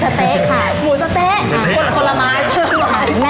สวัสดีค่ะ